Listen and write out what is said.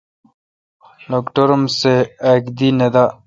لٹکور ام سہ اک دی نہ دا۔